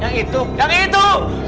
yang itu yang itu